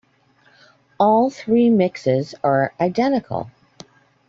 All three mixes are identical.